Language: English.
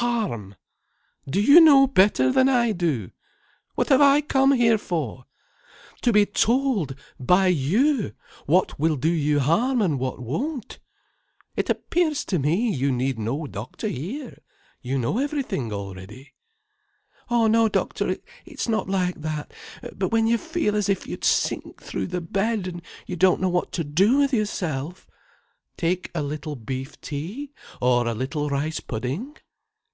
Harm! Do you know better than I do? What have I come here for? To be told by you what will do you harm and what won't? It appears to me you need no doctor here, you know everything already—" "Oh no, doctor. It's not like that. But when you feel as if you'd sink through the bed, an' you don't know what to do with yourself—" "Take a little beef tea, or a little rice pudding.